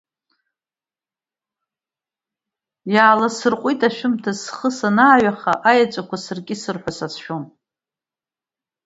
Иласырҟәит ашәымҭаз схы санҩаха, аеҵәақәа сыркьысыр ҳәа сацәшәон.